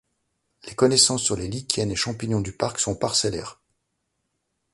Les connaissances sur les lichens et champignons du parc sont parcellaires.